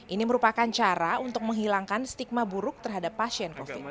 ini merupakan cara untuk menghilangkan stigma buruk terhadap pasien covid sembilan belas